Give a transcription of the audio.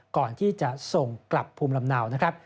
ก่อนที่จะส่งกลับภูมิลำเนานะครับ